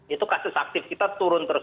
itu kasus aktif kita turun terus